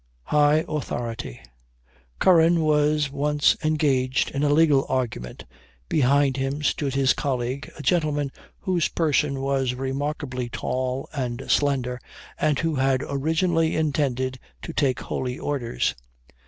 HIGH AUTHORITY. Curran was once engaged in a legal argument; behind him stood his colleague, a gentleman whose person was remarkably tall and slender, and who had originally intended to take holy orders.